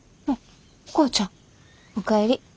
お帰り。